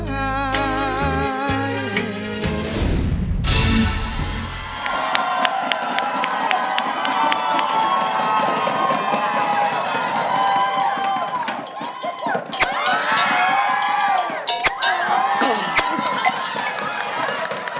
มั่นใจเสียงแรง